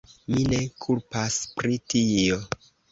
Mi ne kulpas pri tio.